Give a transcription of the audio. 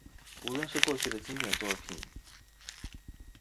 无论是过去的经典作品